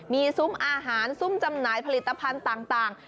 มีซุ้มอาหารซุ่มจำหน่ายผลิตภัณฑ์ต่าง